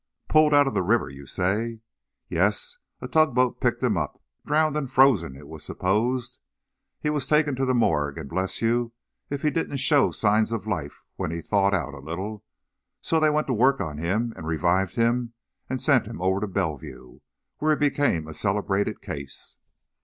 "Pulled out of the river, you say?" "Yes, a tugboat picked him up, drowned and frozen, it was supposed. He was taken to the morgue, and bless you, if he didn't show signs of life when he thawed out a little. So they went to work on him and revived him and sent him over to Bellevue where he became a celebrated case."